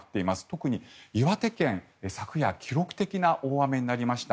特に岩手県昨夜、記録的な大雨になりました。